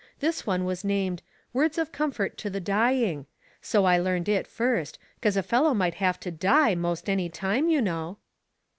This one was named * Words of Comfort to the Dying,' so I learned it first, 'cause a fellow might have to die most any time, you know."